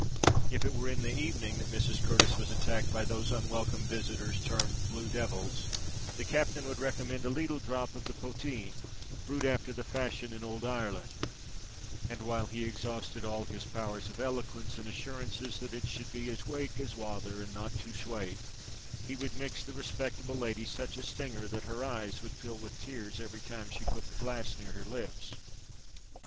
If it were in the evening that Mrs. Curtis was attacked by those unwelcome visitors termed "blue devils," the captain would recommend "a leetle dhrop of the potheen, brewed afther the fashion in ould Ireland;" and while he exhausted all his powers of eloquence in assurances that it should be "as wake as wather, and not too swate," he would mix the respectable lady such a stinger, that her eyes would fill with tears every time she put the glass near her lips.